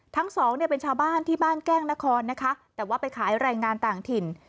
ทั้งสองเนี่ยเป็นชาวบ้านที่บ้านแก้งนครนะคะแต่ว่าไปขายแรงงานต่างถิ่น